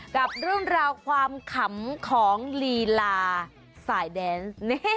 กับเรื่องราวความขำของลีลาสายแดนส์